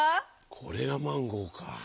これがマンゴーか。